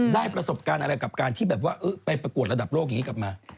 ได้ประสบการณ์อะไรกับการที่แบบว่าไปประกวดระดับโลกอย่างนี้กลับมา